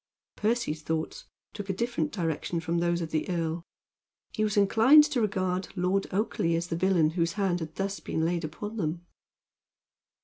Percy's thoughts took a different direction from those of the earl. He was inclined to regard Lord Oakleigh as the villain whose hand had thus been laid upon them.